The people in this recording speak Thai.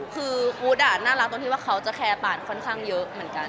คืออู๊ดน่ารักตรงที่ว่าเขาจะแคร์ป่านค่อนข้างเยอะเหมือนกัน